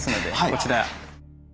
こちら。